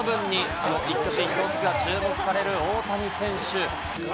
その一挙手一投足が注目される大谷選手。